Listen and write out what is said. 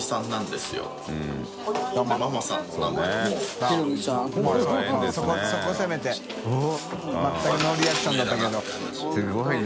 すごいね。